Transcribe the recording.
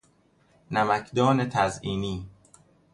نمکدان تزئینی